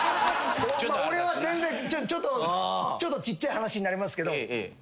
俺は全然ちょっとちっちゃい話になりますけど。